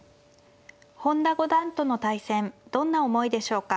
本田五段との対戦どんな思いでしょうか。